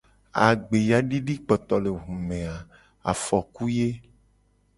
Agbeyadidikpotolehume a afoku ye.